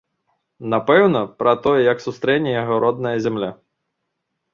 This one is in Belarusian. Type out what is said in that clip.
Напэўна, пра тое, як сустрэне яго родная зямля.